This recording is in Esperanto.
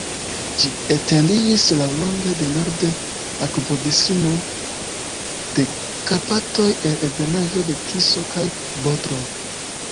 Ĝi etendiĝis laŭlonge de norde akvodislimo de Karpatoj al ebenaĵo de Tiso kaj Bodrog.